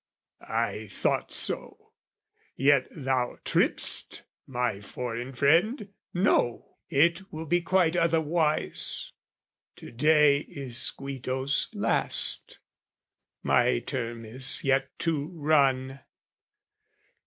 I thought so: yet thou tripp'st, my foreign friend! No, it will be quite otherwise, to day Is Guido's last: my term is yet to run.